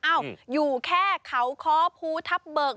อ้าวอยู่แค่เขาคภูทับเบิก